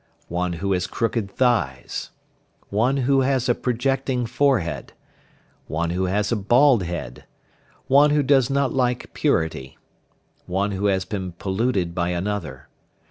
One who has crooked thighs. One who has a projecting forehead. One who has a bald head. One who does not like purity. One who has been polluted by another.